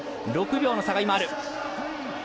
６秒の差がある。